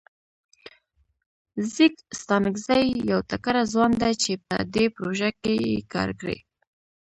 ځیګ ستانکزی یو تکړه ځوان ده چه په دې پروژه کې یې کار کړی.